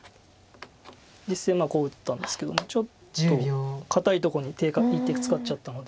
実戦こう打ったんですけどもちょっと堅いとこに１手使っちゃったので。